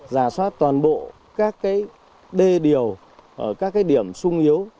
giả soát toàn bộ các cái đê điều các cái điểm sung yếu